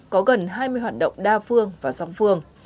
có gần hai mươi hoạt động đa phương và song phương